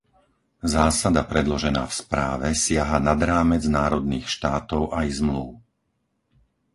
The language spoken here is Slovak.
Zásada predložená v správe siaha nad rámec národných štátov aj zmlúv.